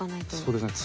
そうですね。